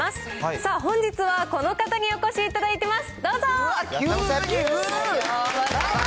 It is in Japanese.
さあ、本日はこの方にお越しいただいてます。